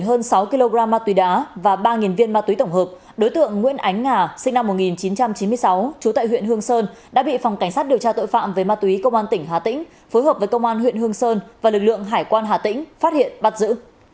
hơn sáu kg ma túy đá và ba viên ma túy tổng hợp đối tượng nguyễn ánh ngà sinh năm một nghìn chín trăm chín mươi sáu trú tại huyện hương sơn đã bị phòng cảnh sát điều tra tội phạm về ma túy công an tỉnh hà tĩnh phối hợp với công an huyện hương sơn và lực lượng hải quan hà tĩnh phát hiện bắt giữ